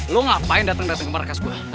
lo ngapain dateng dateng ke markas gua